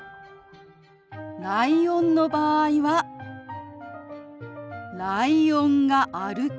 ライオンの場合は「ライオンが歩く」。